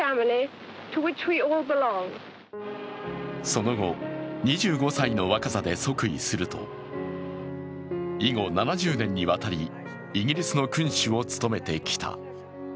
その後、２５歳の若さで即位すると以後７０年にわたりイギリスの君主を務めてきた。